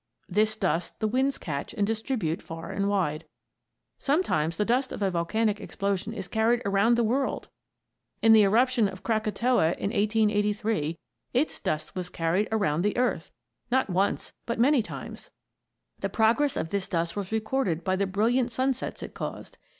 This dust the winds catch and distribute far and wide. Sometimes the dust of a volcanic explosion is carried around the world. In the eruption of Krakatoa, in 1883, its dust was carried around the earth, not once but many times. The progress of this dust was recorded by the brilliant sunsets it caused.